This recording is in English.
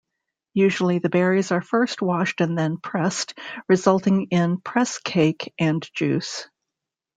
Usually, the berries are first washed and then pressed, resulting in press-cake and juice.